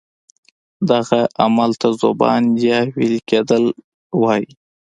دغه عمل ته ذوبان یا ویلي کیدل وایي.